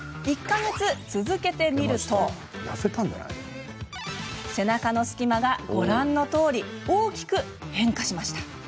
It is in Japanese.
１か月続けてみると背中の隙間が、ご覧のとおり大きく変化。